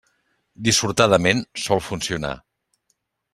Dissortadament sol funcionar.